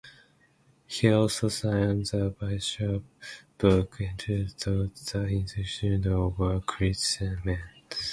He also signed 'the bishops' book,' entitled "The Institution of a Christian Man".